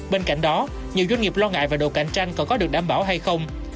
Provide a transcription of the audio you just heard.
bên cạnh đó nhiều doanh nghiệp lo ngại về độ cạnh tranh còn có được đảm bảo hay không